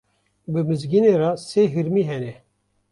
Bi Mizgînê re sê hirmî hene.